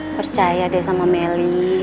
percaya deh sama meli